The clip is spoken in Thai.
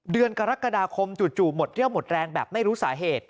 เดือนกรกฎาคมจู่หมดเรี่ยวหมดแรงแบบไม่รู้สาเหตุ